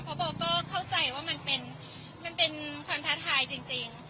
เพราะโบก็เข้าใจว่ามันเป็นความท้าทายจริง